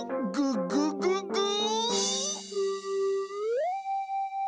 「ググググー」